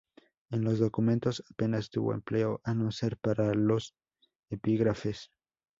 En los documentos apenas tuvo empleo a no ser para los epígrafes.